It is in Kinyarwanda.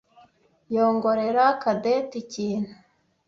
yongorera Cadette ikintu.